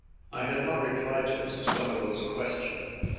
I had not replied to Mr Somerville's question.